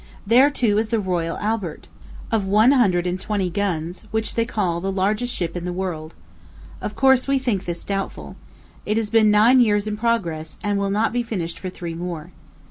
There, too, is the Royal Albert, of one hundred and twenty guns, which they call the largest ship in the world. Of course, we think this doubtful. It has been nine years in progress, and will not be finished for three more.